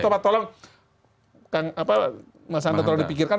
itu tolong mas hanta kalau dipikirkan